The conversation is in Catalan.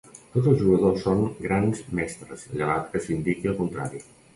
Tots els jugadors són Grans Mestres llevat que s'indiqui el contrari.